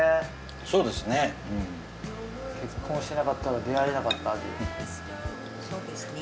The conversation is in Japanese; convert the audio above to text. そうですね。結婚してなかったら出会えなかった味ですもんね。